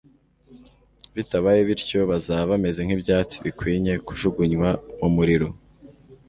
Bitabaye bityo bazaba bameze nk'ibyatsi bikwinye kujuguruywa mu muriro.